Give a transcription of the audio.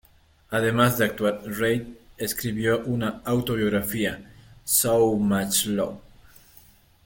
Además de actuar, Reid escribió una autobiografía, "So Much Love".